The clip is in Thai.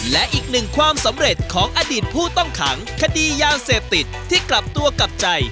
และอีกหนึ่งความสำเร็จของอดีตผู้ต้องขังคดียาเสพติดที่กลับตัวกลับใจ